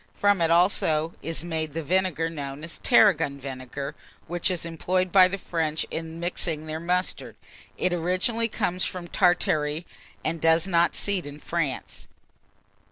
From it also is made the vinegar known as tarragon vinegar, which is employed by the French in mixing their mustard. It originally comes from Tartary, and does not seed in France.